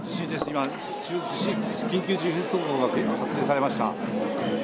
今、緊急地震速報が発令されました。